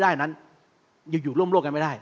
ให้คนอื่นที่ได้นั้นอยู่ร่วมโลกกันไม่ได้